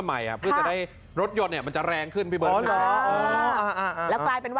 ขึ้นมาใหม่เพื่อระยะมันจะแรงขึ้น